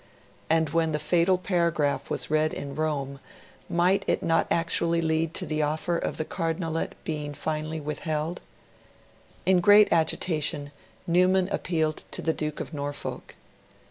And when the fatal paragraph was read in Rome, might it not actually lead to the offer of the Cardinalate being finally withheld? In great agitation, Newman appealed to the Duke of Norfolk.